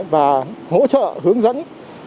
và hỗ trợ hướng dẫn